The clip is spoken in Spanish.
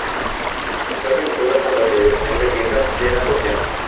Está organizada por la Federación Gallega de Natación.